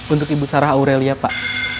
untuk ibu sarah aurelia pak